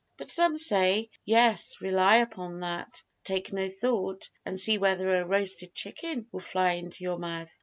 But some say: "Yes, rely upon that, take no thought, and see whether a roasted chicken will fly into your mouth!"